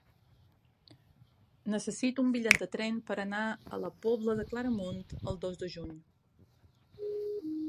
Necessito un bitllet de tren per anar a la Pobla de Claramunt el dos de juny.